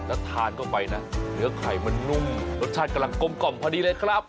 แล้วทานเข้าไปนะเนื้อไข่มันนุ่มรสชาติกำลังกลมกล่อมพอดีเลยครับ